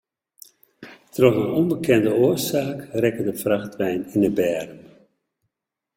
Troch noch ûnbekende oarsaak rekke de frachtwein yn de berm.